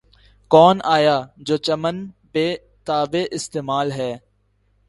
کون آیا‘ جو چمن بے تابِ استقبال ہے!